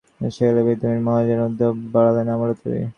এ বাড়িটি সেকালের বিখ্যাত ধনী মহাজন উদ্ধব বড়ালের আমলে তৈরি।